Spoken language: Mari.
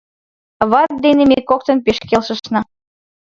Ават дене ме коктын пеш келшышна.